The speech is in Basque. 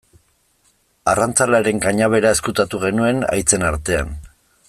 Arrantzalearen kanabera ezkutatu genuen haitzen artean.